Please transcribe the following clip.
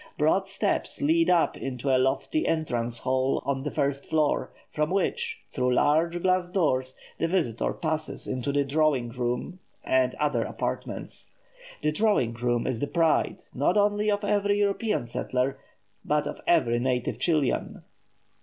Broad steps lead up into a lofty entrance hall on the first floor, from which, through large glass doors, the visitor passes into the drawing room and other apartments. The drawing room is the pride, not only of every European settler, but of every native Chilian.